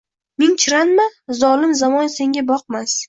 Ming chiranma, zolim zamon senga boqmas.